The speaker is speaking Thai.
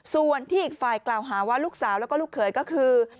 ส่วนที่อีกฝ่ายกล่าวหาว่าลูกสาวแล้วก็ลูกเขยก็คือ